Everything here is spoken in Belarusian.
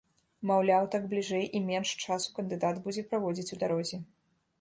Маўляў, так бліжэй і менш часу кандыдат будзе праводзіць у дарозе.